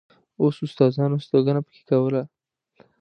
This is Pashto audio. اوس استادانو استوګنه په کې کوله.